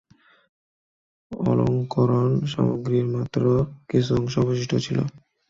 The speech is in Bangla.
অলঙ্করণ সামগ্রীর মাত্র কিছু অংশ অবশিষ্ট ছিল।